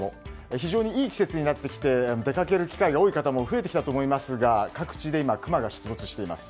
非常にいい季節になってきて出かける機会が多い方も増えてきたと思いますが各地で今、クマが出没しています。